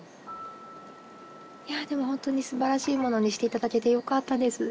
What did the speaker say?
いやぁでもホントにすばらしいものにしていただけてよかったです